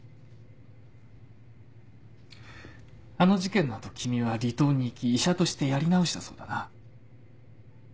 あの事件の後君は離島に行き医者としてやり直したそうだな。